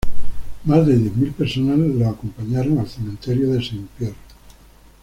Más de diez mil personas lo acompañaron al Cementerio Saint-Pierre.